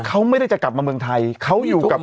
เขาไม่ได้จะกลับมาเมืองไทย